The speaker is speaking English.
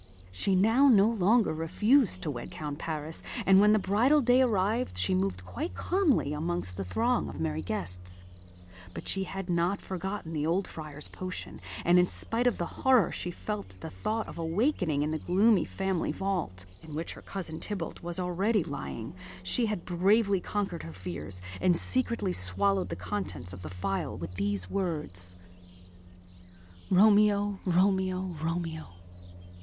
She now no longer refused to wed Count Paris; and when the bridal day arrived, she moved quite calmly amongst the throng of merry guests. But she had not forgotten the old Friar's potion; and in spite of the horror she felt at the thought of awakening in the gloomy family vault, in which her cousin Tybalt was already lying, she had bravely conquered her fears, and secretly swallowed the contents of the phial with these words: "Romeo, Romeo, Romeo!